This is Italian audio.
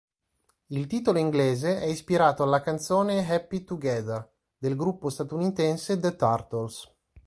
Il titolo inglese è ispirato alla canzone "Happy Together" del gruppo statunitense The Turtles.